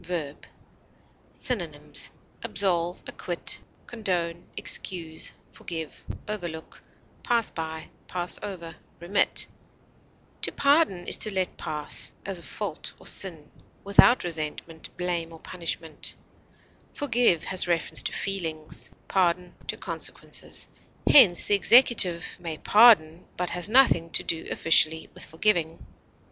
_ Synonyms: absolve, condone, forgive, pass by, remit. acquit, excuse, overlook, pass over, To pardon is to let pass, as a fault or sin, without resentment, blame, or punishment. Forgive has reference to feelings, pardon to consequences; hence, the executive may pardon, but has nothing to do officially with forgiving.